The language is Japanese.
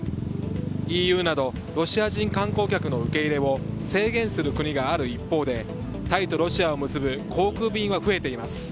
ＥＵなどロシア人観光客の受け入れを制限する国がある一方でタイとロシアを結ぶ航空便は増えています。